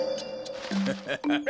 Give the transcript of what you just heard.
ハハハハ。